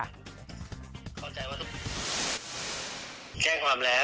แจ้งความร้าย